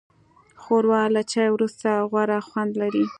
ښوروا له چای وروسته غوره خوند لري.